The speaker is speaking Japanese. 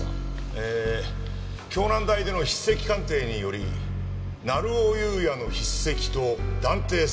えー京南大での筆跡鑑定により成尾優也の筆跡と断定されました。